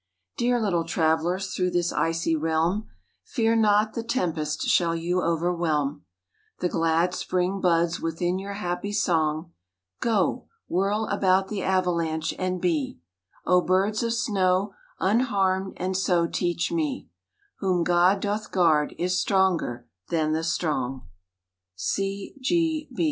Dear little travelers through this icy realm, Fear not the tempest shall you overwhelm; The glad spring buds within your happy song. Go, whirl about the avalanche, and be, O birds of snow, unharmed, and so teach me: Whom God doth guard is stronger than the strong. _C. G.